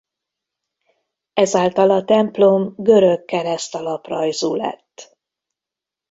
Ezáltal a templom görög kereszt alaprajzú lett.